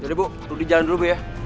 jadi ibu rudi jalan dulu ya